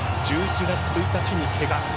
１１月１日にケガ。